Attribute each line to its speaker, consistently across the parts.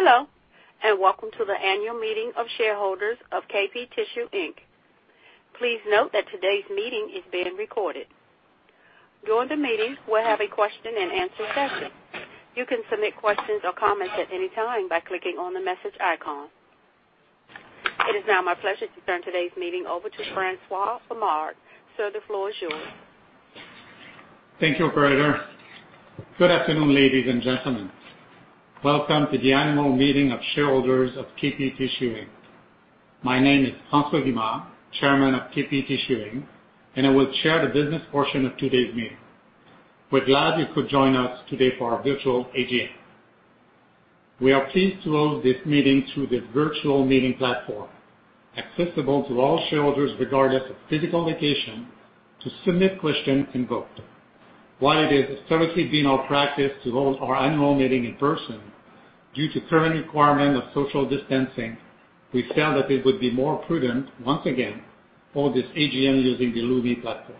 Speaker 1: Hello, and welcome to the annual meeting of shareholders of KP Tissue Inc. Please note that today's meeting is being recorded. During the meeting, we'll have a question-and-answer session. You can submit questions or comments at any time by clicking on the message icon. It is now my pleasure to turn today's meeting over to François Vimard, so the floor is yours.
Speaker 2: Thank you, operator. Good afternoon, ladies and gentlemen. Welcome to the annual meeting of shareholders of KP Tissue Inc. My name is François Vimard, Chairman of KP Tissue Inc., and I will chair the business portion of today's meeting. We're glad you could join us today for our virtual AGM. We are pleased to hold this meeting through the virtual meeting platform, accessible to all shareholders regardless of physical location, to submit questions in bulk. While it is historically been our practice to hold our annual meeting in person, due to current requirements of social distancing, we felt that it would be more prudent, once again, to hold this AGM using the Lumi platform.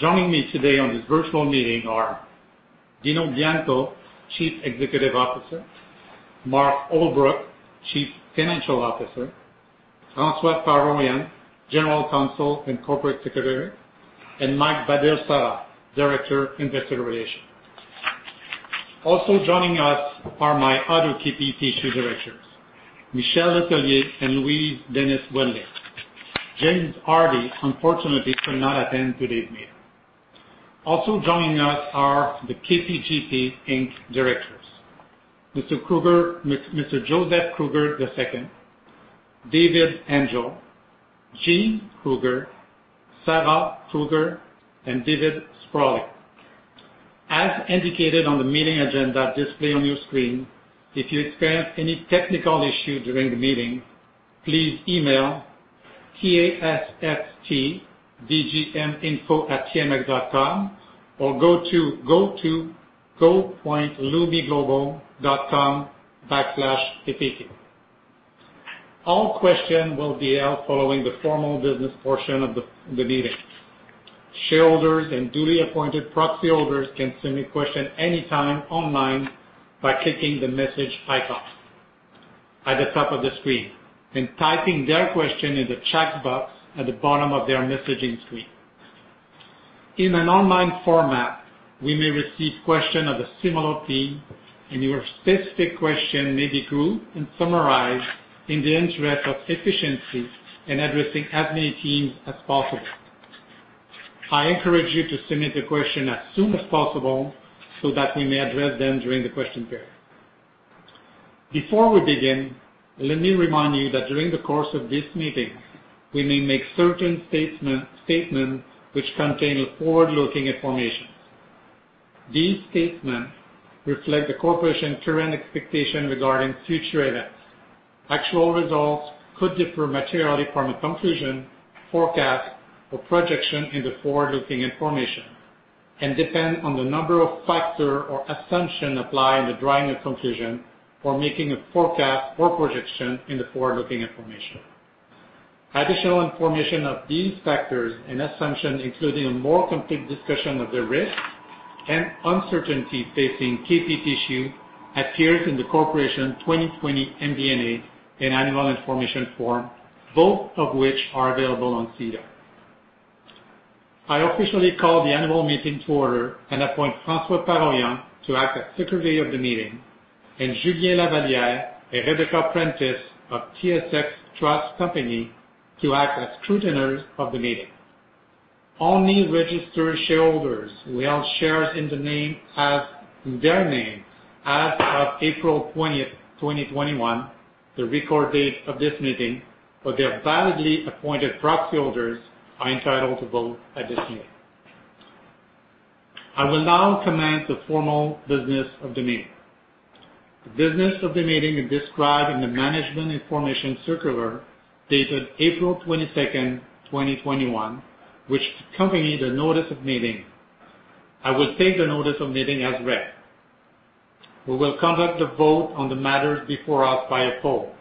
Speaker 2: Joining me today on this virtual meeting are Dino Bianco, Chief Executive Officer; Mark Holbrook, Chief Financial Officer; François Paroyan, General Counsel and Corporate Secretary; and Mike Baldesarra, Director, Investor Relations. Also joining us are my other KP Tissue directors, Michel Letellier and Louise Wendling. James Hardy unfortunately could not attend today's meeting. Also joining us are the KPGP Inc. directors: Mr. Joseph Kruger II, David Angel, Gene Kruger, Sarah Kruger, and David Spraley. As indicated on the meeting agenda displayed on your screen, if you experience any technical issues during the meeting, please email tsstbgminfo@tmx.com or go to go.loomiglobal.com/kpt. All questions will be held following the formal business portion of the meeting. Shareholders and duly appointed proxy holders can submit questions anytime online by clicking the message icon at the top of the screen and typing their question in the chat box at the bottom of their messaging screen. In an online format, we may receive questions of a similar theme, and your specific question may be grouped and summarized in the interest of efficiency and addressing as many themes as possible. I encourage you to submit the question as soon as possible so that we may address them during the question period. Before we begin, let me remind you that during the course of this meeting, we may make certain statements which contain forward-looking information. These statements reflect the corporation's current expectations regarding future events. Actual results could differ materially from a conclusion, forecast, or projection in the forward-looking information and depend on the number of factors or assumptions applied in drawing a conclusion or making a forecast or projection in the forward-looking information. Additional information on these factors and assumptions, including a more complete discussion of the risks and uncertainties facing KP Tissue, appears in the Corporation's 2020 MD&A and Annual Information Form, both of which are available on SEDAR. I officially call the annual meeting to order and appoint François Paroyan to act as Secretary of the Meeting, and Julien Lavallière and Rebecca Prentice of TSX Trust Company to act as scrutineers of the meeting. Only registered shareholders who appear in their name as of April 20, 2021, the record date of this meeting, but their validly appointed proxy holders are entitled to vote at this meeting. I will now commence the formal business of the meeting. The business of the meeting is described in the Management Information Circular dated April 22, 2021, which accompanied the Notice of Meeting. I will take the Notice of Meeting as read. We will conduct the vote on the matters before us by a poll.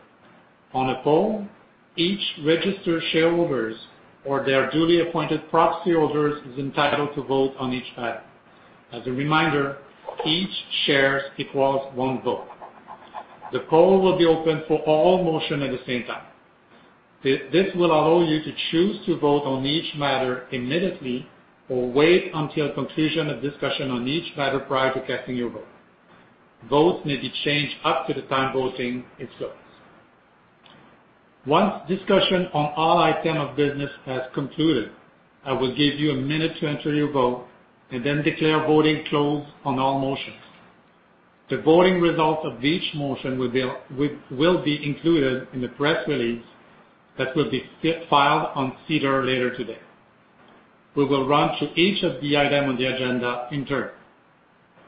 Speaker 2: On a poll, each registered shareholder or their duly appointed proxy holders is entitled to vote on each matter. As a reminder, each share equals one vote. The poll will be open for all motions at the same time. This will allow you to choose to vote on each matter immediately or wait until conclusion of discussion on each matter prior to casting your vote. Votes may be changed up to the time voting is closed. Once discussion on all items of business has concluded, I will give you a minute to enter your vote and then declare voting closed on all motions. The voting results of each motion will be included in the press release that will be filed on SEDAR later today. We will run through each of the items on the agenda in turn.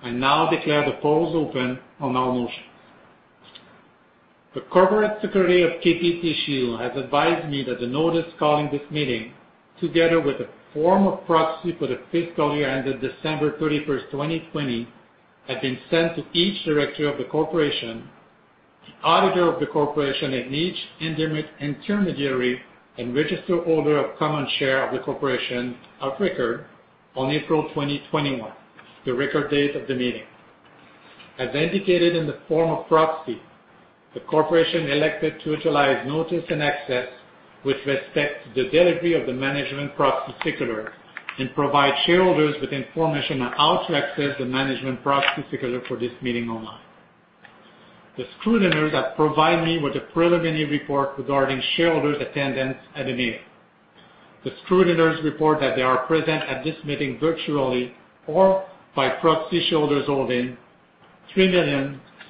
Speaker 2: I now declare the polls open on all motions. The Corporate Secretary of KP Tissue has advised me that the notice calling this meeting, together with a form of proxy for the fiscal year ended December 31, 2020, has been sent to each director of the corporation, the auditor of the corporation, and each intermediary and registered holder of common share of the corporation of record on April, 2021, the record date of the meeting. As indicated in the form of proxy, the corporation elected to utilize notice and access with respect to the delivery of the Management Information Circular and provide shareholders with information on how to access the Management Information Circular for this meeting online. The scrutineers have provided me with a preliminary report regarding shareholders' attendance at the meeting. The scrutineers report that they are present at this meeting virtually or by proxy shareholders holding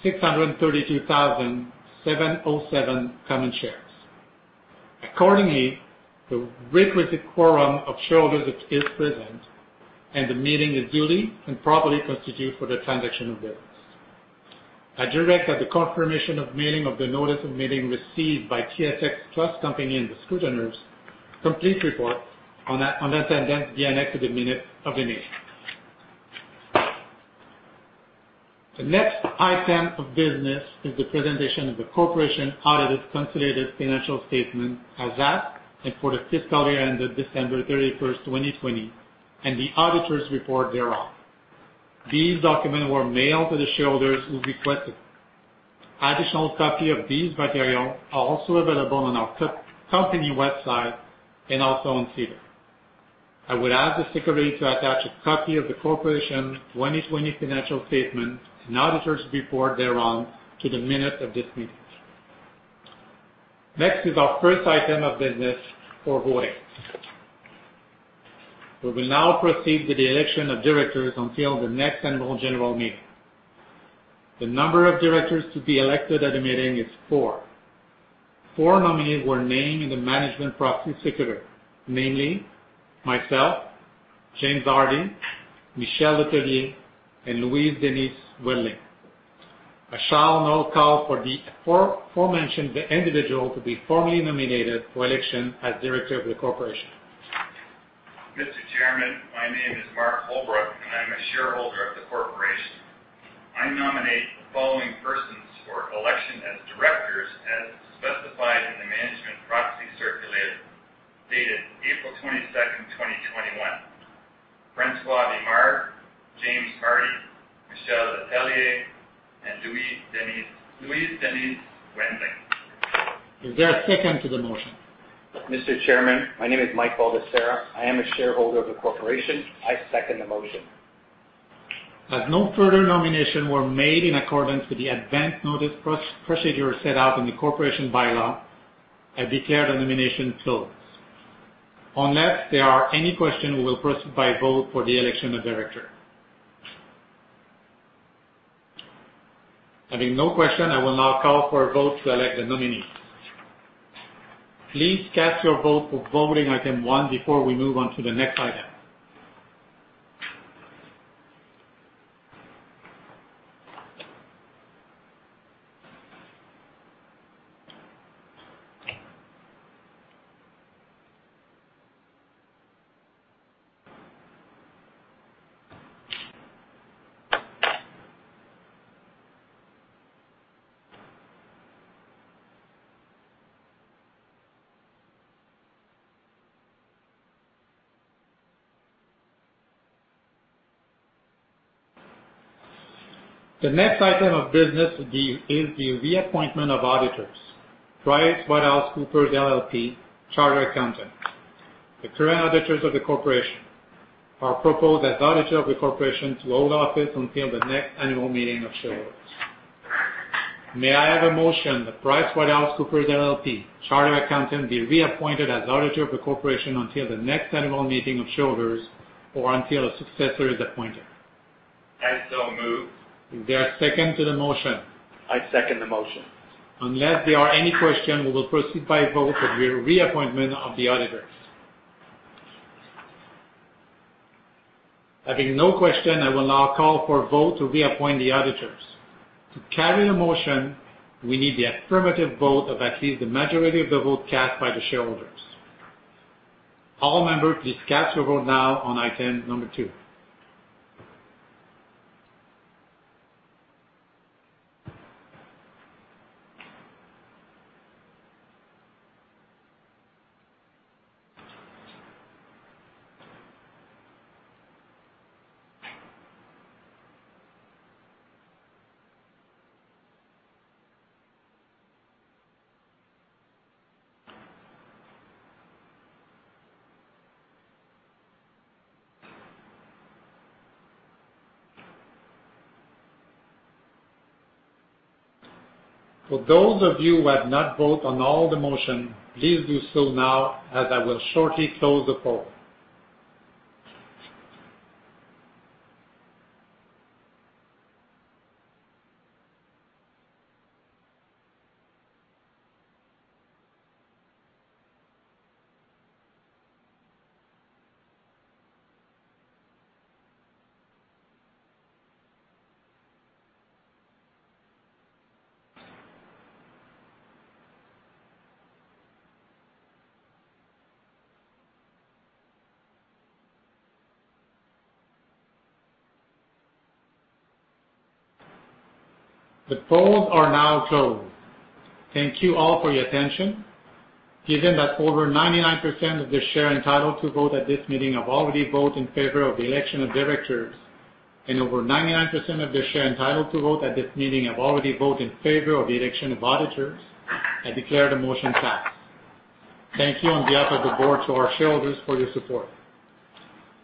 Speaker 2: 3,632,707 common shares. Accordingly, the requisite quorum of shareholders is present, and the meeting is duly and properly constituted for the transaction of business. I direct that the confirmation of mailing of the Notice of Meeting received by TSX Trust Company and the scrutineers' complete report on attendance being accepted in the minutes of the meeting. The next item of business is the presentation of the Corporation Audited Consolidated Financial Statement as for the fiscal year ended December 31, 2020, and the auditor's report thereof. These documents were mailed to the shareholders who requested them. Additional copies of these materials are also available on our company website and also on SEDAR. I would ask the Secretary to attach a copy of the Corporation's 2020 Financial Statements and auditor's report thereof to the minutes of this meeting. Next is our first item of business for voting. We will now proceed with the election of directors until the next annual general meeting. The number of directors to be elected at the meeting is four. Four nominees were named in the Management Proxy Circular, namely myself, James Hardy, Michel Letellier, and Louise Wendling. I shall now call for the aforementioned individuals to be formally nominated for election as directors of the corporation.
Speaker 3: Mr. Chairman, my name is Mark Holbrook, and I'm a shareholder of the corporation. I nominate the following persons for election as directors, as specified in the Management Information Circular dated April 22, 2021: François Vimard, James Hardy, Michel Letellier, and Louise Wendling.
Speaker 2: Is there a second to the motion?
Speaker 4: Mr. Chairman, my name is Mike Baldesarra. I am a shareholder of the corporation. I second the motion.
Speaker 2: As no further nominations were made in accordance with the advance notice procedure set out in the Corporation bylaw, I declare the nomination closed. Unless there are any questions, we will proceed by vote for the election of directors. Having no questions, I will now call for a vote to elect the nominees. Please cast your vote for voting item one before we move on to the next item. The next item of business is the reappointment of auditors: PricewaterhouseCoopers LLP, Chartered Accountant. The current auditors of the corporation are proposed as auditors of the corporation to hold office until the next annual meeting of shareholders. May I have a motion that PricewaterhouseCoopers LLP, Chartered Accountant, be reappointed as auditor of the corporation until the next annual meeting of shareholders or until a successor is appointed?
Speaker 3: I so move.
Speaker 2: Is there a second to the motion?
Speaker 4: I second the motion.
Speaker 2: Unless there are any questions, we will proceed by vote for the reappointment of the auditors. Having no questions, I will now call for a vote to reappoint the auditors. To carry the motion, we need the affirmative vote of at least the majority of the vote cast by the shareholders. All members, please cast your vote now on item number two. For those of you who have not voted on all the motions, please do so now as I will shortly close the poll. The polls are now closed. Thank you all for your attention. Given that over 99% of the share entitled to vote at this meeting have already voted in favor of the election of directors, and over 99% of the share entitled to vote at this meeting have already voted in favor of the election of auditors, I declare the motion passed. Thank you on behalf of the board to our shareholders for your support.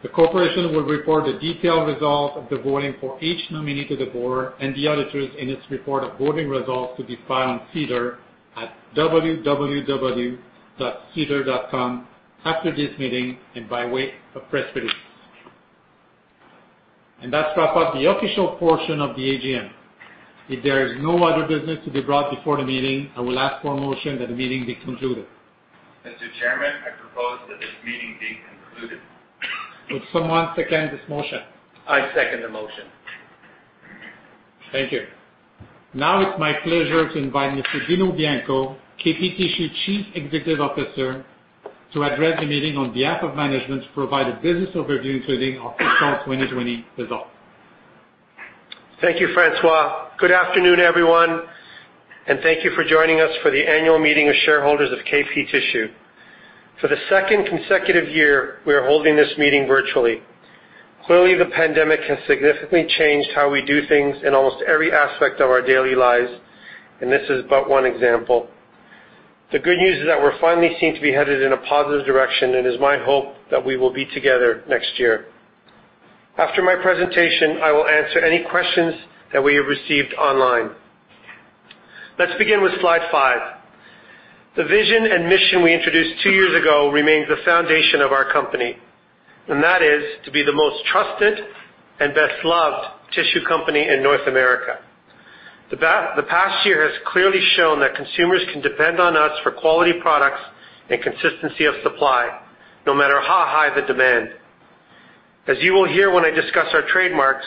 Speaker 2: The corporation will report the detailed results of the voting for each nominee to the board and the auditors in its report of voting results to be filed on SEDAR at www.sedar.com after this meeting and by way of press release. And that wraps up the official portion of the AGM. If there is no other business to be brought before the meeting, I will ask for a motion that the meeting be concluded.
Speaker 3: Mr. Chairman, I propose that this meeting be concluded.
Speaker 2: Would someone second this motion?
Speaker 4: I second the motion.
Speaker 2: Thank you. Now it's my pleasure to invite Mr. Dino Bianco, KP Tissue Chief Executive Officer, to address the meeting on behalf of management to provide a business overview including our fiscal 2020 results.
Speaker 5: Thank you, François. Good afternoon, everyone, and thank you for joining us for the annual meeting of shareholders of KP Tissue. For the second consecutive year, we are holding this meeting virtually. Clearly, the pandemic has significantly changed how we do things in almost every aspect of our daily lives, and this is but one example. The good news is that we're finally seen to be headed in a positive direction, and it is my hope that we will be together next year. After my presentation, I will answer any questions that we have received online. Let's begin with slide five. The vision and mission we introduced two years ago remains the foundation of our company, and that is to be the most trusted and best-loved tissue company in North America. The past year has clearly shown that consumers can depend on us for quality products and consistency of supply, no matter how high the demand. As you will hear when I discuss our trademarks,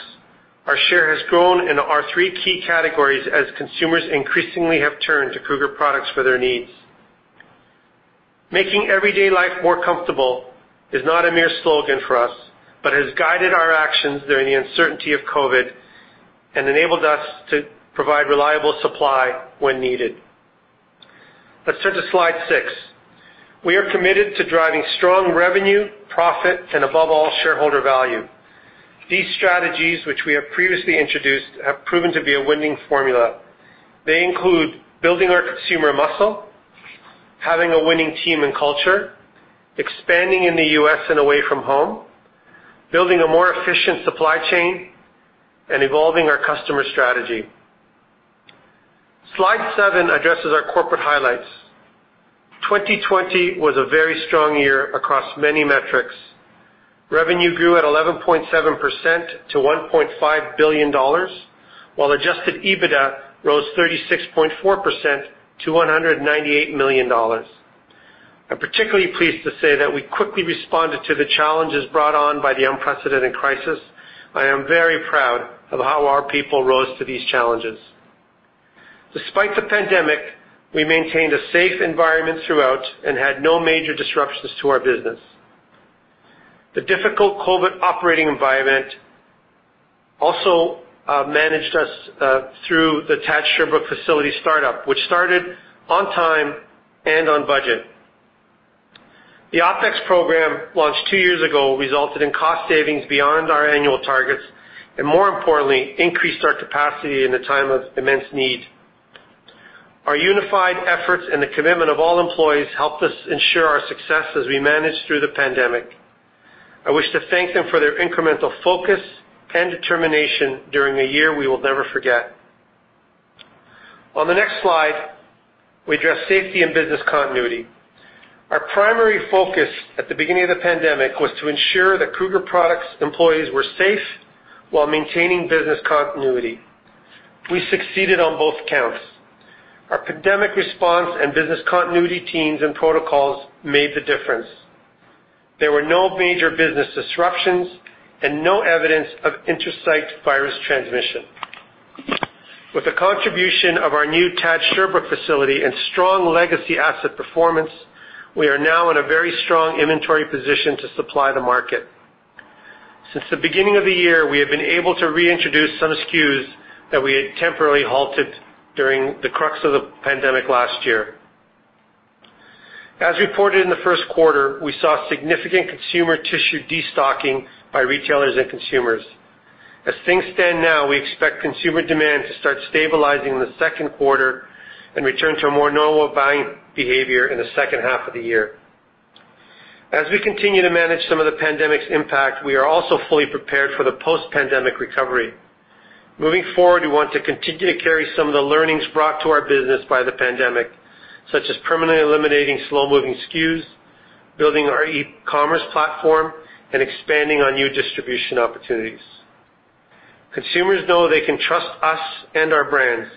Speaker 5: our share has grown in our three key categories as consumers increasingly have turned to Kruger Products for their needs. Making everyday life more comfortable is not a mere slogan for us, but has guided our actions during the uncertainty of COVID and enabled us to provide reliable supply when needed. Let's turn to slide six. We are committed to driving strong revenue, profit, and above all, shareholder value. These strategies, which we have previously introduced, have proven to be a winning formula. They include building our consumer muscle, having a winning team and culture, expanding in the U.S. and away from home, building a more efficient supply chain, and evolving our customer strategy. Slide seven addresses our corporate highlights. 2020 was a very strong year across many metrics. Revenue grew at 11.7% to 1.5 billion dollars, while Adjusted EBITDA rose 36.4% to 198 million dollars. I'm particularly pleased to say that we quickly responded to the challenges brought on by the unprecedented crisis. I am very proud of how our people rose to these challenges. Despite the pandemic, we maintained a safe environment throughout and had no major disruptions to our business. The difficult COVID operating environment also managed us through the TAD Sherbrooke facility startup, which started on time and on budget. The OpEx program launched two years ago resulted in cost savings beyond our annual targets and, more importantly, increased our capacity in a time of immense need. Our unified efforts and the commitment of all employees helped us ensure our success as we managed through the pandemic. I wish to thank them for their incremental focus and determination during a year we will never forget. On the next slide, we address safety and business continuity. Our primary focus at the beginning of the pandemic was to ensure that Kruger Products' employees were safe while maintaining business continuity. We succeeded on both counts. Our pandemic response and business continuity teams and protocols made the difference. There were no major business disruptions and no evidence of intersite virus transmission. With the contribution of our new TAD Sherbrooke facility and strong legacy asset performance, we are now in a very strong inventory position to supply the market. Since the beginning of the year, we have been able to reintroduce some SKUs that we had temporarily halted during the crux of the pandemic last year. As reported in the first quarter, we saw significant consumer tissue destocking by retailers and consumers. As things stand now, we expect consumer demand to start stabilizing in the second quarter and return to a more normal buying behavior in the second half of the year. As we continue to manage some of the pandemic's impact, we are also fully prepared for the post-pandemic recovery. Moving forward, we want to continue to carry some of the learnings brought to our business by the pandemic, such as permanently eliminating slow-moving SKUs, building our e-commerce platform, and expanding on new distribution opportunities. Consumers know they can trust us and our brands.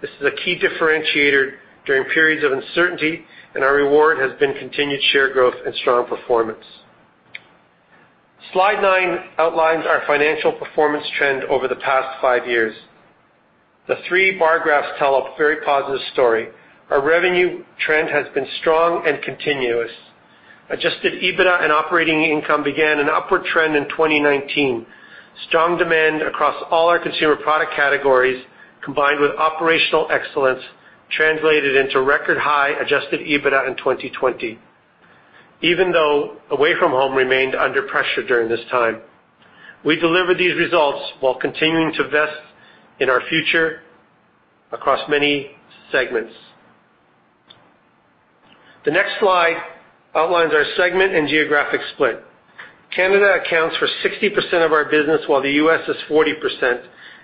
Speaker 5: This is a key differentiator during periods of uncertainty, and our reward has been continued share growth and strong performance. slide nine outlines our financial performance trend over the past five years. The three bar graphs tell a very positive story. Our revenue trend has been strong and continuous. Adjusted EBITDA and operating income began an upward trend in 2019. Strong demand across all our consumer product categories, combined with operational excellence, translated into record high adjusted EBITDA in 2020, even though away from home remained under pressure during this time. We delivered these results while continuing to invest in our future across many segments. The next slide outlines our segment and geographic split. Canada accounts for 60% of our business, while the U.S. is 40%,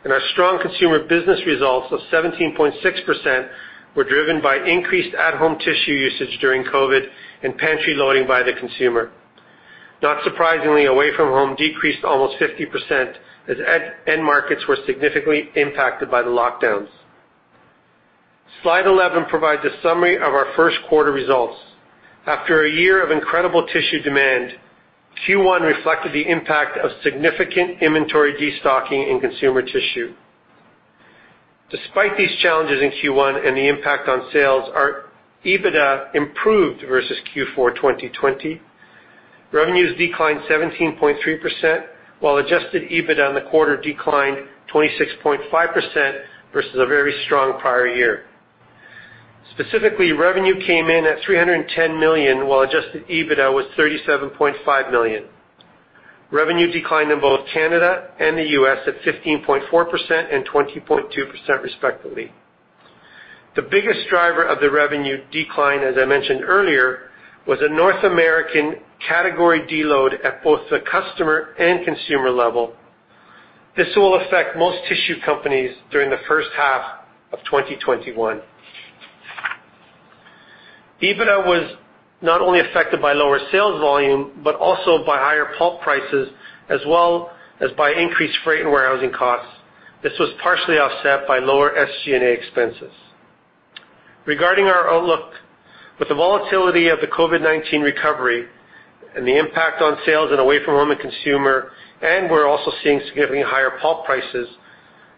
Speaker 5: and our strong consumer business results of 17.6% were driven by increased at-home tissue usage during COVID and pantry loading by the consumer. Not surprisingly, away from home decreased almost 50% as end markets were significantly impacted by the lockdowns. Slide 11 provides a summary of our first quarter results. After a year of incredible tissue demand, Q1 reflected the impact of significant inventory destocking in consumer tissue. Despite these challenges in Q1 and the impact on sales, our EBITDA improved versus Q4 2020. Revenues declined 17.3%, while adjusted EBITDA in the quarter declined 26.5% versus a very strong prior year. Specifically, revenue came in at 310 million, while adjusted EBITDA was 37.5 million. Revenue declined in both Canada and the U.S. at 15.4% and 20.2%, respectively. The biggest driver of the revenue decline, as I mentioned earlier, was a North American category dload at both the customer and consumer level. This will affect most tissue companies during the first half of 2021. EBITDA was not only affected by lower sales volume, but also by higher pulp prices, as well as by increased freight and warehousing costs. This was partially offset by lower SG&A expenses. Regarding our outlook, with the volatility of the COVID-19 recovery and the impact on sales and away from home and consumer, and we're also seeing significantly higher pulp prices,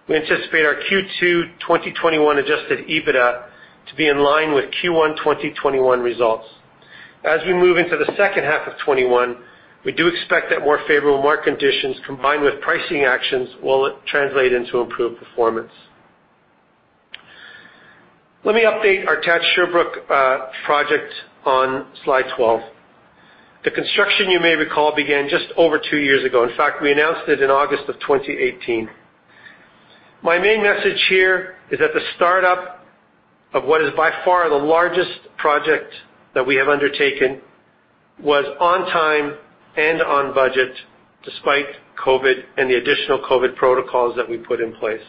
Speaker 5: we anticipate our Q2 2021 Adjusted EBITDA to be in line with Q1 2021 results. As we move into the second half of 2021, we do expect that more favorable market conditions, combined with pricing actions, will translate into improved performance. Let me update our TAD Sherbrooke project on slide 12. The construction, you may recall, began just over two years ago. In fact, we announced it in August of 2018. My main message here is that the startup of what is by far the largest project that we have undertaken was on time and on budget, despite COVID and the additional COVID protocols that we put in place.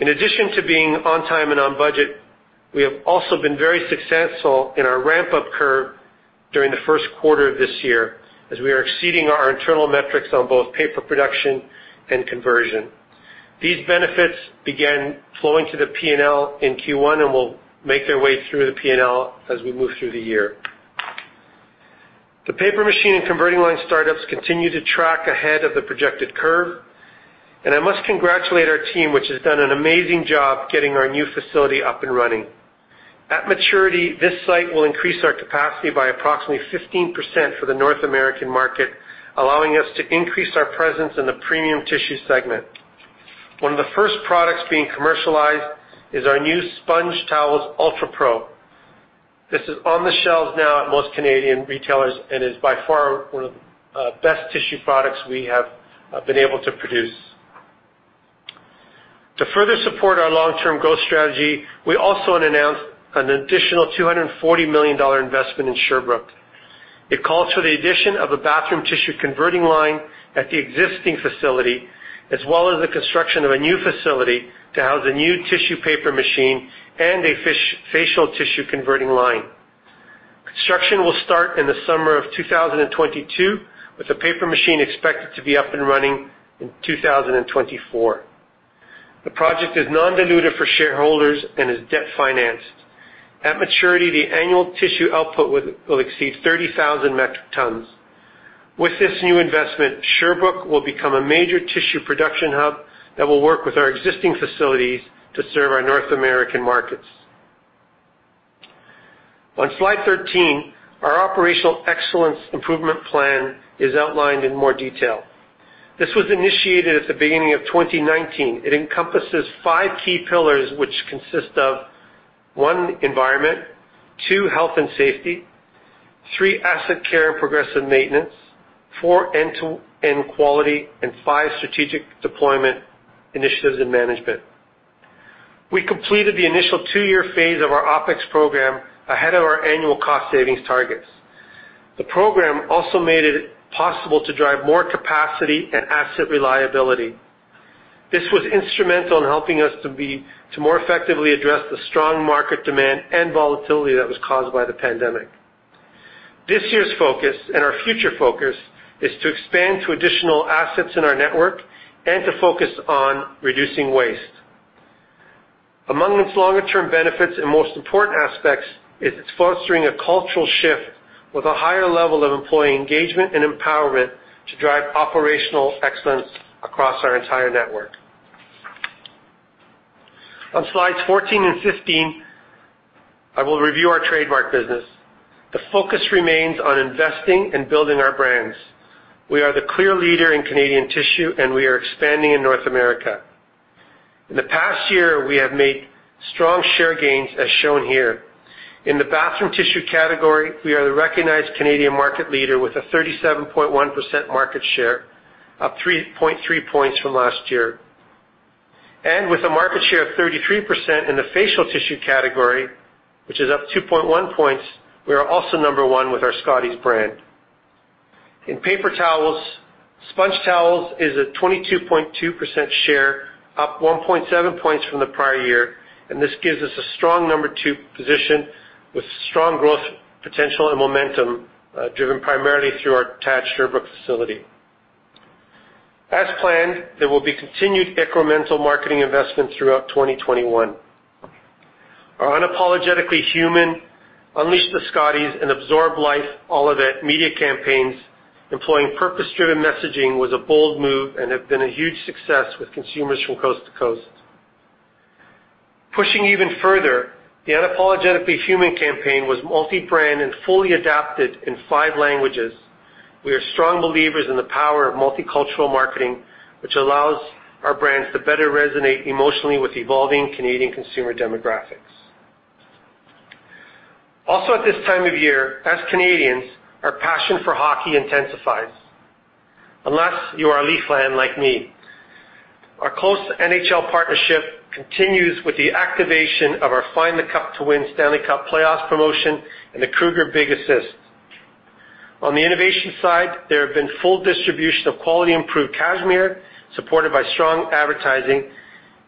Speaker 5: In addition to being on time and on budget, we have also been very successful in our ramp-up curve during the first quarter of this year, as we are exceeding our internal metrics on both paper production and conversion. These benefits began flowing to the P&L in Q1 and will make their way through the P&L as we move through the year. The paper machine and converting line startups continue to track ahead of the projected curve, and I must congratulate our team, which has done an amazing job getting our new facility up and running. At maturity, this site will increase our capacity by approximately 15% for the North American market, allowing us to increase our presence in the premium tissue segment. One of the first products being commercialized is our new SpongeTowels UltraPRO. This is on the shelves now at most Canadian retailers and is by far one of the best tissue products we have been able to produce. To further support our long-term growth strategy, we also announced an additional $240 million investment in Sherbrooke. It calls for the addition of a bathroom tissue converting line at the existing facility, as well as the construction of a new facility to house a new tissue paper machine and a facial tissue converting line. Construction will start in the summer of 2022, with the paper machine expected to be up and running in 2024. The project is non-dilutive for shareholders and is debt financed. At maturity, the annual tissue output will exceed 30,000 metric tons. With this new investment, Sherbrooke will become a major tissue production hub that will work with our existing facilities to serve our North American markets. On slide 13, our operational excellence improvement plan is outlined in more detail. This was initiated at the beginning of 2019. It encompasses five key pillars, which consist of: one, environment; two, health and safety; three, asset care and progressive maintenance; four, end-to-end quality; and five, strategic deployment initiatives and management. We completed the initial two-year phase of our OpEx program ahead of our annual cost savings targets. The program also made it possible to drive more capacity and asset reliability. This was instrumental in helping us to more effectively address the strong market demand and volatility that was caused by the pandemic. This year's focus and our future focus is to expand to additional assets in our network and to focus on reducing waste. Among its longer-term benefits and most important aspects is it's fostering a cultural shift with a higher level of employee engagement and empowerment to drive operational excellence across our entire network. On slides 14 and 15, I will review our trademark business. The focus remains on investing and building our brands. We are the clear leader in Canadian tissue, and we are expanding in North America. In the past year, we have made strong share gains, as shown here. In the bathroom tissue category, we are the recognized Canadian market leader with a 37.1% market share, up 3.3 points from last year. And with a market share of 33% in the facial tissue category, which is up 2.1 points, we are also number one with our Scotties brand. In paper towels, SpongeTowels is a 22.2% share, up 1.7 points from the prior year, and this gives us a strong number two position with strong growth potential and momentum driven primarily through our TAD Sherbrooke facility. As planned, there will be continued incremental marketing investment throughout 2021. Our Unapologetically Human Unleash the Scotties and Absorb Life, all of that media campaigns, employing purpose-driven messaging was a bold move and has been a huge success with consumers from coast to coast. Pushing even further, the unapologetically human campaign was multi-brand and fully adapted in five languages. We are strong believers in the power of multicultural marketing, which allows our brands to better resonate emotionally with evolving Canadian consumer demographics. Also, at this time of year, as Canadians, our passion for hockey intensifies. Unless you are a Leaf fan like me. Our close NHL partnership continues with the activation of our Find the Cup to Win Stanley Cup playoff promotion and the Kruger Big Assist. On the innovation side, there have been full distribution of quality-improved Cashmere supported by strong advertising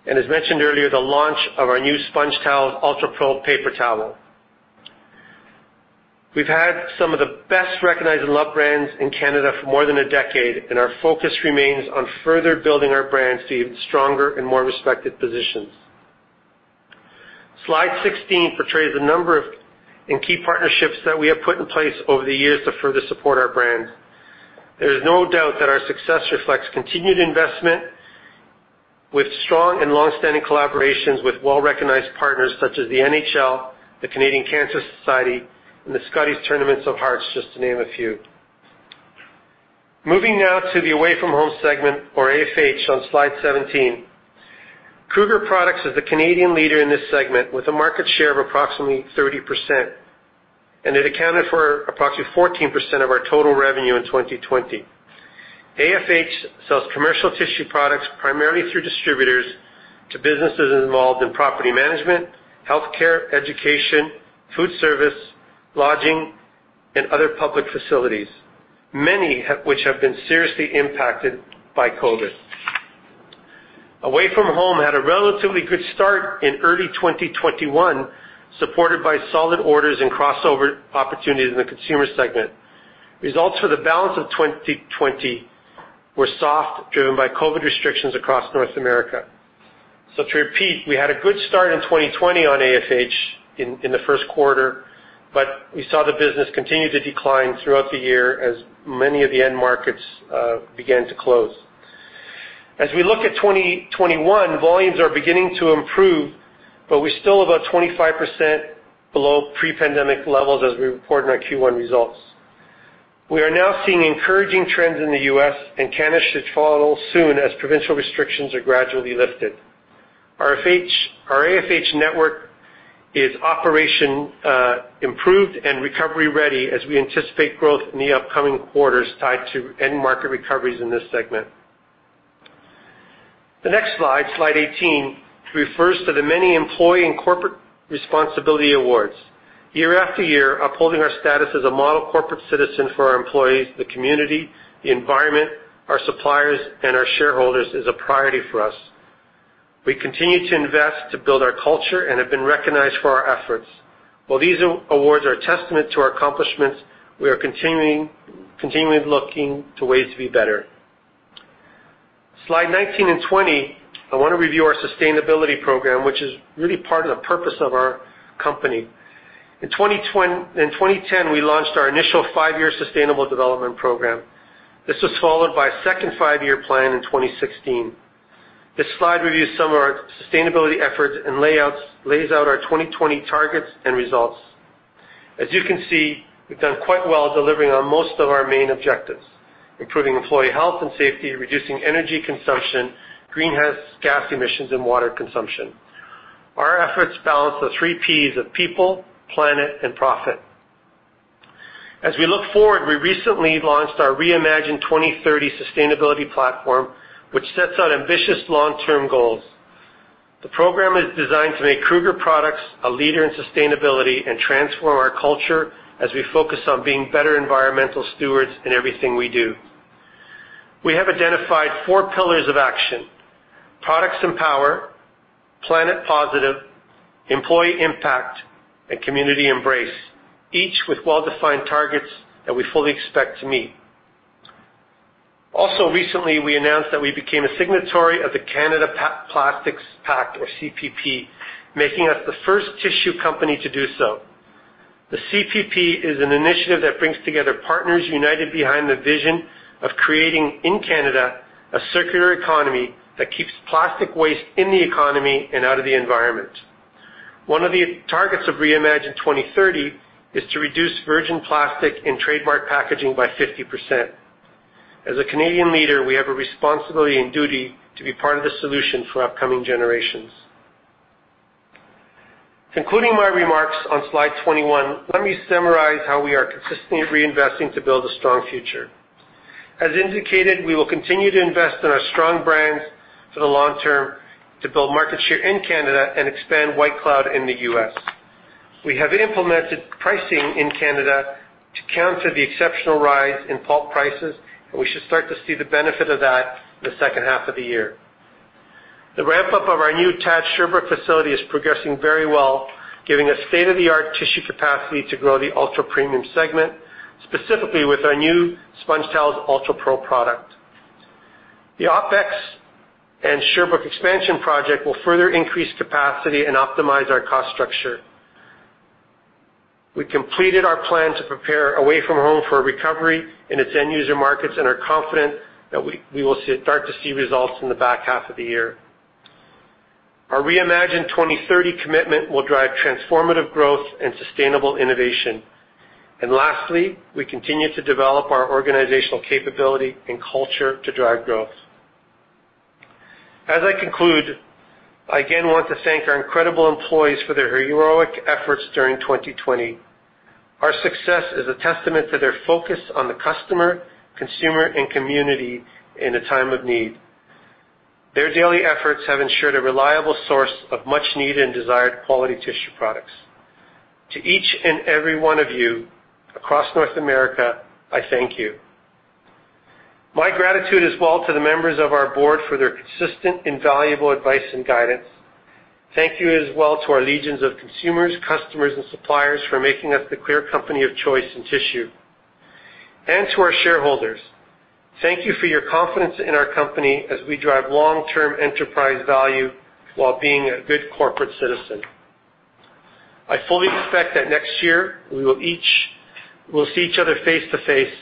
Speaker 5: and, as mentioned earlier, the launch of our new SpongeTowels UltraPRO paper towel. We've had some of the best recognized and loved brands in Canada for more than a decade, and our focus remains on further building our brands to even stronger and more respected positions. Slide 16 portrays the number of key partnerships that we have put in place over the years to further support our brand. There is no doubt that our success reflects continued investment with strong and long-standing collaborations with well-recognized partners such as the NHL, the Canadian Cancer Society, and the Scotties Tournament of Hearts, just to name a few. Moving now to the away from home segment, or AFH, on slide 17. Kruger Products is the Canadian leader in this segment with a market share of approximately 30%, and it accounted for approximately 14% of our total revenue in 2020. AFH sells commercial tissue products primarily through distributors to businesses involved in property management, healthcare, education, food service, lodging, and other public facilities, many of which have been seriously impacted by COVID. Away from home had a relatively good start in early 2021, supported by solid orders and crossover opportunities in the consumer segment. Results for the balance of 2020 were soft, driven by COVID restrictions across North America. So to repeat, we had a good start in 2020 on AFH in the first quarter, but we saw the business continue to decline throughout the year as many of the end markets began to close. As we look at 2021, volumes are beginning to improve, but we're still about 25% below pre-pandemic levels as we report in our Q1 results. We are now seeing encouraging trends in the U.S., and Canada should follow soon as provincial restrictions are gradually lifted. Our AFH network is operation improved and recovery ready as we anticipate growth in the upcoming quarters tied to end market recoveries in this segment. The next slide, slide 18, refers to the many employee and corporate responsibility awards. Year-after-year, upholding our status as a model corporate citizen for our employees, the community, the environment, our suppliers, and our shareholders is a priority for us. We continue to invest to build our culture and have been recognized for our efforts. While these awards are a testament to our accomplishments, we are continually looking to ways to be better. Slide 19 and 20, I want to review our sustainability program, which is really part of the purpose of our company. In 2010, we launched our initial five-year sustainable development program. This was followed by a second five-year plan in 2016. This slide reviews some of our sustainability efforts and lays out our 2020 targets and results. As you can see, we've done quite well delivering on most of our main objectives: improving employee health and safety, reducing energy consumption, greenhouse gas emissions, and water consumption. Our efforts balance the three P's of people, planet, and profit. As we look forward, we recently launched our Reimagine 2030 sustainability platform, which sets out ambitious long-term goals. The program is designed to make Kruger Products a leader in sustainability and transform our culture as we focus on being better environmental stewards in everything we do. We have identified four pillars of action: Products Empower, Planet Positive, Employee Impact, and Community Embrace, each with well-defined targets that we fully expect to meet. Also, recently, we announced that we became a signatory of the Canada Plastics Pact, or CPP, making us the first tissue company to do so. The CPP is an initiative that brings together partners united behind the vision of creating in Canada a circular economy that keeps plastic waste in the economy and out of the environment. One of the targets of Reimagine 2030 is to reduce virgin plastic in trademark packaging by 50%. As a Canadian leader, we have a responsibility and duty to be part of the solution for upcoming generations. Concluding my remarks on slide 21, let me summarize how we are consistently reinvesting to build a strong future. As indicated, we will continue to invest in our strong brands for the long term to build market share in Canada and expand White Cloud in the U.S. We have implemented pricing in Canada to counter the exceptional rise in pulp prices, and we should start to see the benefit of that in the second half of the year. The ramp-up of our new TAD Sherbrooke facility is progressing very well, giving us state-of-the-art tissue capacity to grow the ultra-premium segment, specifically with our new SpongeTowels UltraPRO product. The OpEx and Sherbrooke expansion project will further increase capacity and optimize our cost structure. We completed our plan to prepare away-from-home for a recovery in its end-user markets and are confident that we will start to see results in the back half of the year. Our Reimagine 2030 commitment will drive transformative growth and sustainable innovation. And lastly, we continue to develop our organizational capability and culture to drive growth. As I conclude, I again want to thank our incredible employees for their heroic efforts during 2020. Our success is a testament to their focus on the customer, consumer, and community in a time of need. Their daily efforts have ensured a reliable source of much-needed and desired quality tissue products. To each and every one of you across North America, I thank you. My gratitude is well to the members of our board for their consistent and valuable advice and guidance. Thank you as well to our legions of consumers, customers, and suppliers for making us the clear company of choice in tissue. And to our shareholders, thank you for your confidence in our company as we drive long-term enterprise value while being a good corporate citizen. I fully expect that next year we will see each other face to face.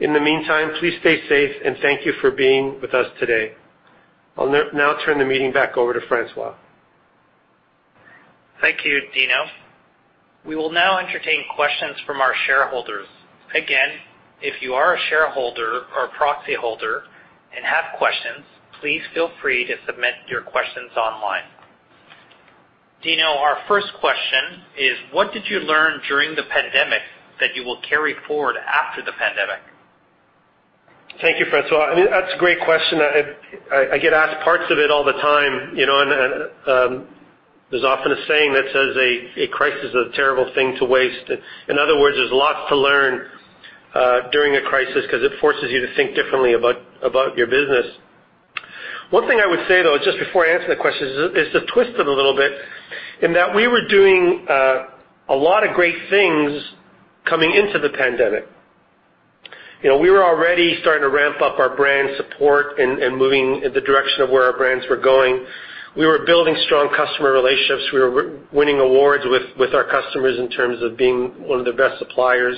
Speaker 5: In the meantime, please stay safe and thank you for being with us today. I'll now turn the meeting back over to François.
Speaker 2: Thank you, Dino. We will now entertain questions from our shareholders. Again, if you are a shareholder or proxy holder and have questions, please feel free to submit your questions online. Dino, our first question is, what did you learn during the pandemic that you will carry forward after the pandemic?
Speaker 5: Thank you, François. I mean, that's a great question. I get asked parts of it all the time. There's often a saying that says a crisis is a terrible thing to waste. In other words, there's lots to learn during a crisis because it forces you to think differently about your business. One thing I would say, though, just before I answer the question, is to twist it a little bit in that we were doing a lot of great things coming into the pandemic. We were already starting to ramp up our brand support and moving in the direction of where our brands were going. We were building strong customer relationships. We were winning awards with our customers in terms of being one of the best suppliers.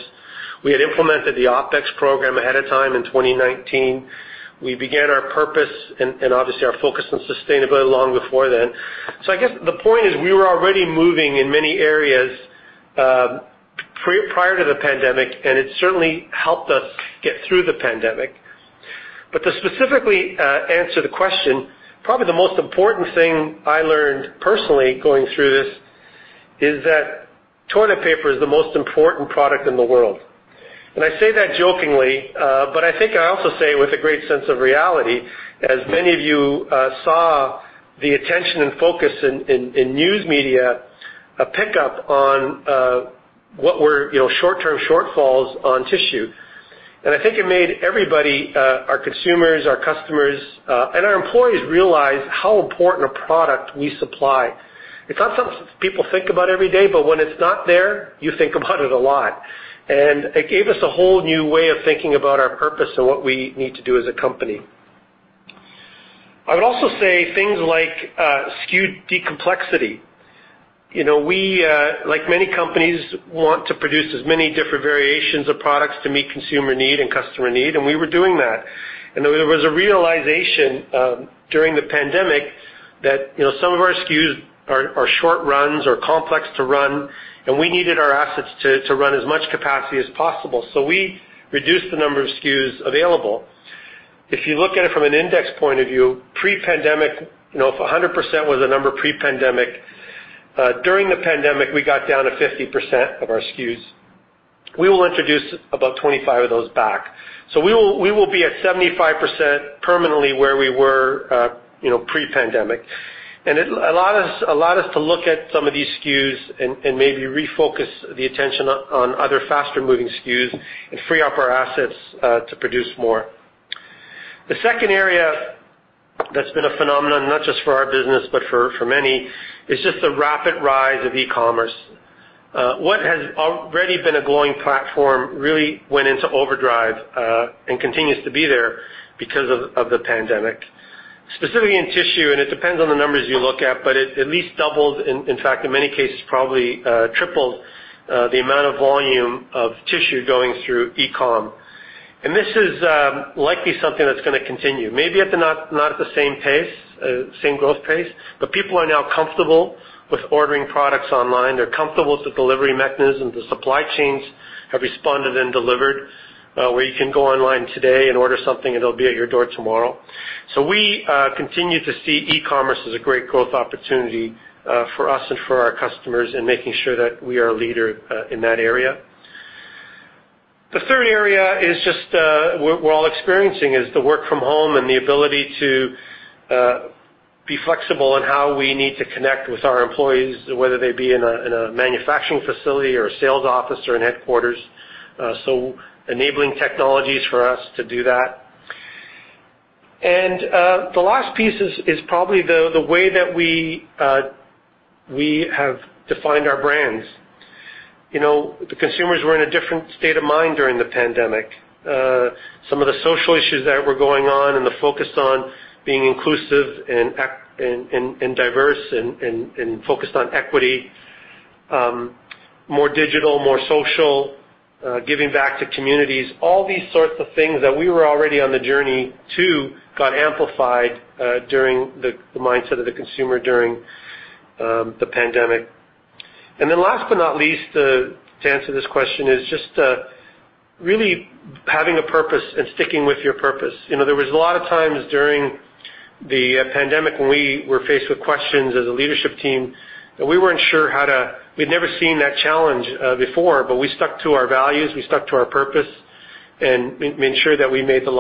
Speaker 5: We had implemented the OpEx program ahead of time in 2019. We began our purpose and obviously our focus on sustainability long before then. So I guess the point is we were already moving in many areas prior to the pandemic, and it certainly helped us get through the pandemic. But to specifically answer the question, probably the most important thing I learned personally going through this is that toilet paper is the most important product in the world. And I say that jokingly, but I think I also say with a great sense of reality, as many of you saw the attention and focus in news media pick up on what were short-term shortfalls on tissue. And I think it made everybody, our consumers, our customers, and our employees realize how important a product we supply. It's not something people think about every day, but when it's not there, you think about it a lot. It gave us a whole new way of thinking about our purpose and what we need to do as a company. I would also say things like SKU decomplexity. Like many companies want to produce as many different variations of products to meet consumer need and customer need, and we were doing that. There was a realization during the pandemic that some of our SKUs are short runs or complex to run, and we needed our assets to run as much capacity as possible. We reduced the number of SKUs available. If you look at it from an index point of view, pre-pandemic, if 100% was the number pre-pandemic, during the pandemic, we got down to 50% of our SKUs. We will introduce about 25 of those back. We will be at 75% permanently where we were pre-pandemic. It allowed us to look at some of these SKUs and maybe refocus the attention on other faster-moving SKUs and free up our assets to produce more. The second area that's been a phenomenon, not just for our business, but for many, is just the rapid rise of e-commerce. What has already been a glowing platform really went into overdrive and continues to be there because of the pandemic, specifically in tissue. It depends on the numbers you look at, but it at least doubled, in fact, in many cases, probably tripled the amount of volume of tissue going through e-com. This is likely something that's going to continue, maybe not at the same pace, same growth pace, but people are now comfortable with ordering products online. They're comfortable with the delivery mechanism. The supply chains have responded and delivered where you can go online today and order something, and it'll be at your door tomorrow. So we continue to see e-commerce as a great growth opportunity for us and for our customers and making sure that we are a leader in that area. The third area is just we're all experiencing is the work from home and the ability to be flexible in how we need to connect with our employees, whether they be in a manufacturing facility or a sales office or in headquarters. So enabling technologies for us to do that. The last piece is probably the way that we have defined our brands. The consumers were in a different state of mind during the pandemic. Some of the social issues that were going on and the focus on being inclusive and diverse and focused on equity, more digital, more social, giving back to communities, all these sorts of things that we were already on the journey to got amplified during the mindset of the consumer during the pandemic. And then last but not least, to answer this question is just really having a purpose and sticking with your purpose. There was a lot of times during the pandemic when we were faced with questions as a leadership team that we weren't sure how to we'd never seen that challenge before, but we stuck to our values. We stuck to our purpose and made sure that we made the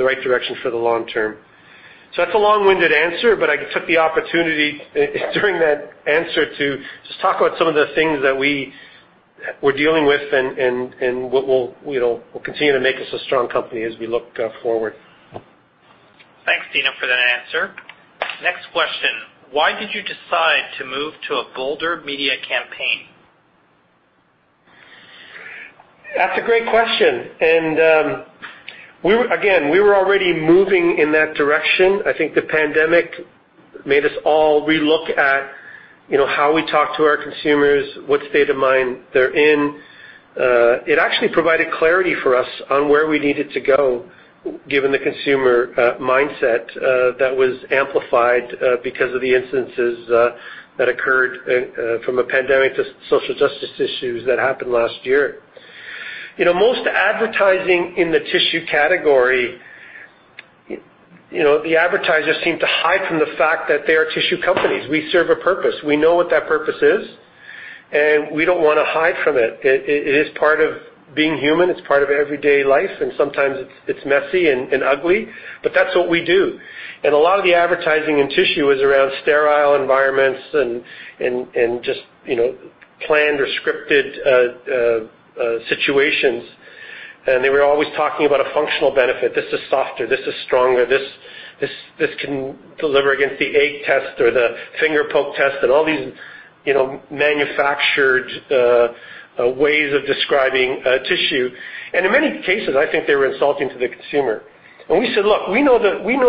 Speaker 5: right direction for the long term. That's a long-winded answer, but I took the opportunity during that answer to just talk about some of the things that we were dealing with and what will continue to make us a strong company as we look forward.
Speaker 2: Thanks, Dino, for that answer. Next question. Why did you decide to move to a bolder media campaign?
Speaker 5: That's a great question. And again, we were already moving in that direction. I think the pandemic made us all relook at how we talk to our consumers, what state of mind they're in. It actually provided clarity for us on where we needed to go given the consumer mindset that was amplified because of the instances that occurred from a pandemic to social justice issues that happened last year. Most advertising in the tissue category, the advertisers seem to hide from the fact that they are tissue companies. We serve a purpose. We know what that purpose is, and we don't want to hide from it. It is part of being human. It's part of everyday life, and sometimes it's messy and ugly, but that's what we do. And a lot of the advertising in tissue is around sterile environments and just planned or scripted situations. They were always talking about a functional benefit. This is softer. This is stronger. This can deliver against the ache test or the finger poke test and all these manufactured ways of describing tissue. In many cases, I think they were insulting to the consumer. We said, "Look, we know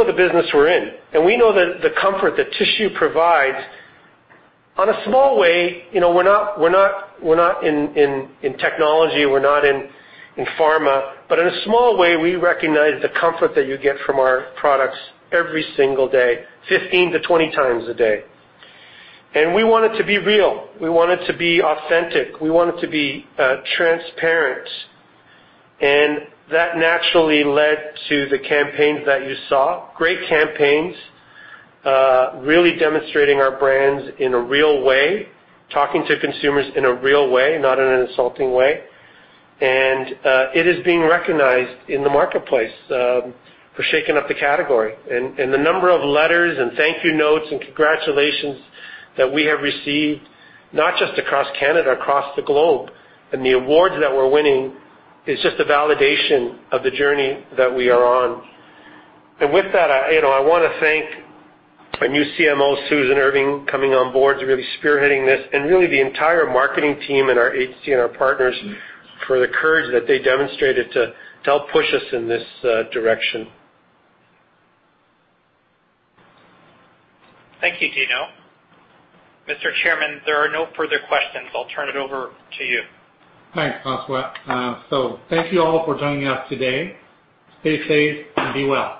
Speaker 5: the business we're in, and we know the comfort that tissue provides." In a small way, we're not in technology. We're not in pharma, but in a small way, we recognize the comfort that you get from our products every single day, 15-20x a day. We wanted to be real. We wanted to be authentic. We wanted to be transparent. That naturally led to the campaigns that you saw. Great campaigns really demonstrating our brands in a real way, talking to consumers in a real way, not in an insulting way. It is being recognized in the marketplace for shaking up the category. The number of letters and thank you notes and congratulations that we have received, not just across Canada, across the globe, and the awards that we're winning is just a validation of the journey that we are on. With that, I want to thank our new CMO, Susan Irving, coming on board to really spearheading this and really the entire marketing team and our HC&l and our partners for the courage that they demonstrated to help push us in this direction.
Speaker 4: Thank you, Dino. Mr. Chairman, there are no further questions. I'll turn it over to you.
Speaker 2: Thanks, François. So thank you all for joining us today. Stay safe and be well.